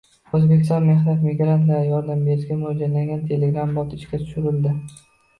O‘zbekistonlik mehnat migrantlariga yordam berishga mo‘ljallangan Telegram-bot ishga tushirildi